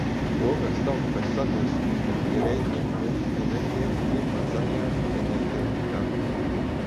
To var saukt par sadursmi starp ierēdņiem un enerģētiķiem mazajā enerģētikā.